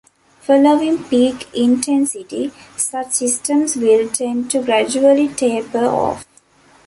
Following peak intensity, such systems will tend to gradually taper off.